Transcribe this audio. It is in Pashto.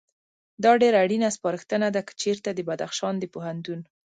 دا ډېره اړینه سپارښتنه ده، که چېرته د بدخشان د پوهنتون